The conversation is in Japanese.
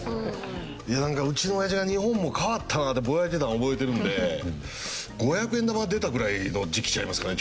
いやなんかうちの親父が日本も変わったなってぼやいてたのを覚えてるので５００円玉が出たぐらいの時期ちゃいますかね？